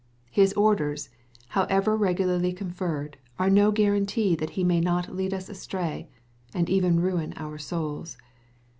^ His orders, however regularly conferred, are no guarantee that he may not lead us astray, and even ruin our souls.